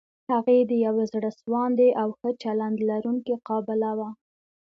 هغې د يوې زړه سواندې او ښه چلند لرونکې قابله وه.